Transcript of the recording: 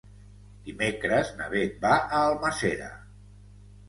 Dimecres na Beth va a Almàssera.